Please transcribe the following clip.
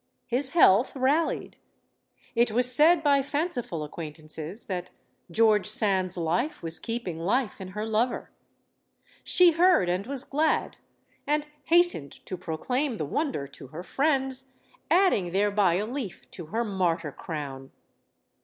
His health rallied. It was said by fanciful acquaintance? that George Sand's life was keeping life in her lover. She heard and was glad, and hastened to procalim the wonder to her friends, adding thereby a leaf to her GEORGE SAND 169 martyr crown.